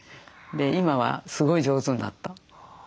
今はすごい上手になった。